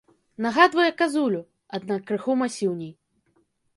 Нагадвае казулю, аднак крыху масіўней.